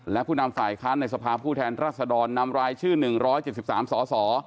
และผู้นำฝ่ายค้านในสภาพผู้แทนรัศดรนำรายชื่อ๑๗๓สส